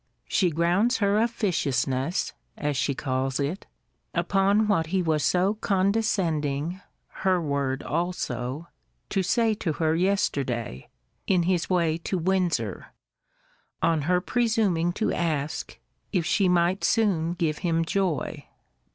She grounds her officiousness, as she calls it, upon what he was so condescending [her word also] to say to her yesterday, in his way to Windsor, on her presuming to ask, if she might soon give him joy?